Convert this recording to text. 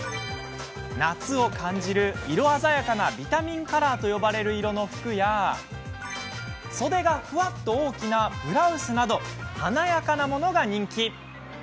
夏を感じる色鮮やかなビタミンカラーと呼ばれる色の服や袖がふわっと大きなブラウスなど華やかなものが人気。